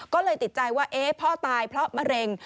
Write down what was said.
ก็เลยติดใจว่าพ่อตายเพราะมะเร็ง